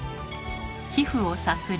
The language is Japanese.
皮膚をさすり。